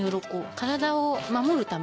体を守るため？